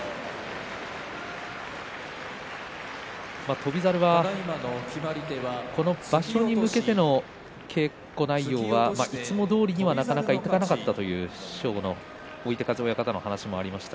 翔猿は、この場所に向けての稽古内容は、いつもどおりにはなかなかいかなかったという師匠の追手風親方の話がありました。